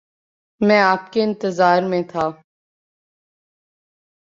میں آپ کے انتظار میں تھا